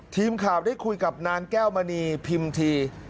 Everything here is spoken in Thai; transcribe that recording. ทีมข่าวได้คุยกับนางแก้วมณีพิมพ์ที